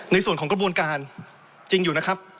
ในส่วนของกระบวนการจริงอยู่นะครับ